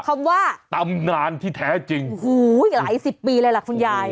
คำว่าตำนานที่แท้จริงโอ้โหหลายสิบปีเลยล่ะคุณยาย